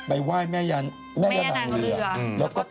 เราโยนไปไหมครับ